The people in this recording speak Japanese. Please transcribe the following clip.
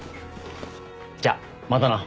じゃあまたな。